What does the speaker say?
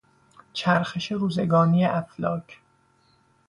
چرخش روزگانی افلاک